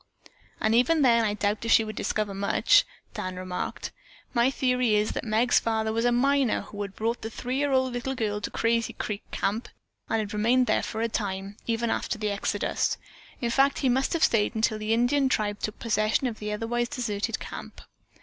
"And even then I doubt if she would discover much," Dan remarked. "My theory is that Meg's father was a miner who had brought the three year old little girl to Crazy Creek Camp and had remained there for a time, even after the exodus. In fact, he must have stayed until the Indian tribe took possession of the otherwise deserted camp.